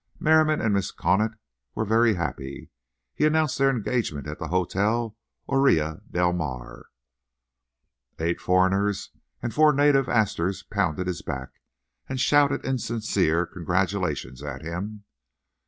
Merriam and Mrs. Conant were very happy. He announced their engagement at the Hotel Orilla del Mar. Eight foreigners and four native Astors pounded his back and shouted insincere congratulations at him.